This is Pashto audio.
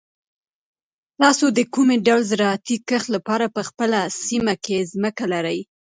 تاسو د کوم ډول زراعتي کښت لپاره په خپله سیمه کې ځمکه لرئ؟